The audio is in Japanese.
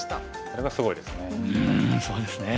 それがすごいですよね。